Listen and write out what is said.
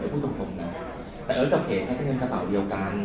พูดตรงนะแต่เอิธกับเคตใช้เงียนกระเป๋าเดียวกัน